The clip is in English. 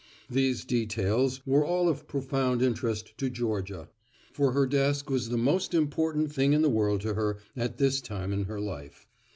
These details were all of profound interest to Georgia, for her desk was the most important thing in the world to her at this time in her life.